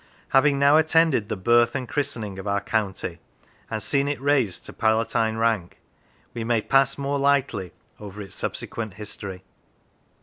Having now attended the birth and christening of our county, and seen it raised to Palatine rank, we may pass more lightly over its subsequent history.